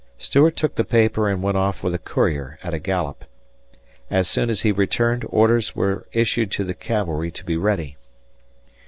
Stuart took the paper and went off with a courier at a gallop. As soon as he returned, orders were issued to the cavalry to be ready.